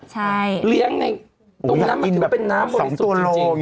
ใช่ใช่เลี้ยงในตรงนั้มมันถึงแบบเป็นน้ำหมดสุขจริง